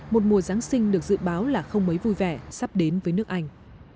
một mùa giáng sinh được dự báo là không mấy vui vẻ sắp đến với nước anh